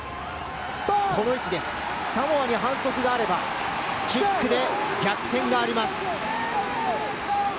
サモアに反則があれば、キックで逆転があります。